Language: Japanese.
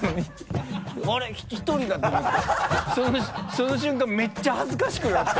その瞬間めっちゃ恥ずかしくなって。